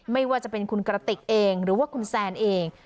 ไม่ว่าจะเป็นคุณกระติกเองหรือว่าคุณแซนเอง